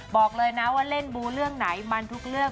บอกเลยนะว่าเล่นบูเรื่องไหนมันทุกเรื่อง